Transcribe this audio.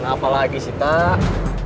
nah apalagi sih tak